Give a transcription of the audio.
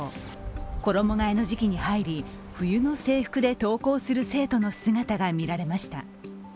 衣がえの時期に入り、冬の制服で登校する生徒の姿が見られました。